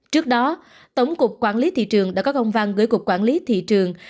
trước đó tổng cục quản lý thị trường đã có công văn gửi cục quản lý thị trường